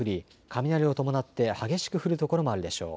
雷を伴って激しく降る所もあるでしょう。